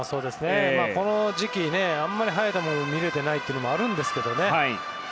この時期あまり速い球を見れてないというのもあるんですけどね。